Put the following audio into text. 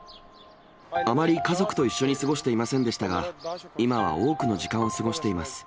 あまり家族と一緒に過ごしていませんでしたが、今は多くの時間を過ごしています。